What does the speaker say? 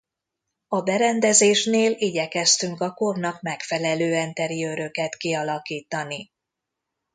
A berendezésnél igyekeztünk a kornak megfelelő enteriőröket kialakítani.